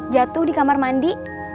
jatuh di kamar mandi